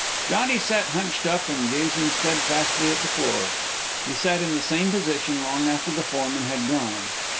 Johnny sat hunched up and gazing steadfastly at the floor. He sat in the same position long after the foreman had gone.